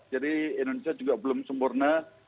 jadi indonesia juga belum sempurna